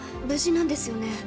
無事なんですよね？